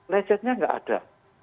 lecetnya nggak ada